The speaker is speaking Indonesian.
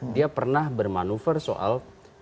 dia pernah bermanuver soal